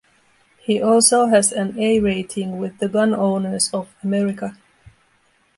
He also has an A rating with the Gun Owners of America.